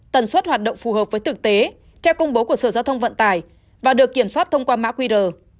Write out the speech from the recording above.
tần suất hoạt động phù hợp với thực tế theo công bố của sở giao thông vận tải và được kiểm soát thông qua mã qr